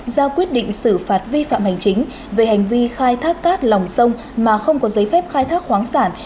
ra quyết định xử phạt vi phạm hành chính về hành vi khai thác cát lòng sông mà không có giấy phép khai thác khoáng sản